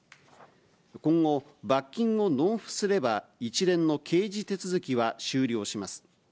今後、罰金を納付すれば一連の刑事手続きは終了します。